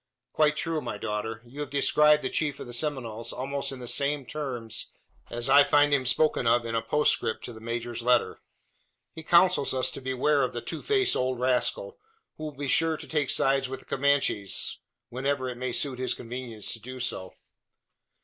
"Quite true, my daughter. You have described the chief of the Seminoles almost in the same terms as I find him spoken of, in a postscript to the major's letter. He counsels us to beware of the two faced old rascal, who will be sure to take sides with the Comanches, whenever it may suit his convenience to do so."